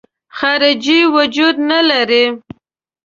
خارجي وجود نه لري.